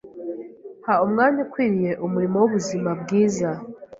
Ha Umwanya Ukwiriye Umurimo w’Ubuzima bwiza